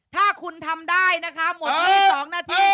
ถ้าคุณทำได้นะคะหมดภายใน๒นาที